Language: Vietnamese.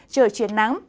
trở chiến nắng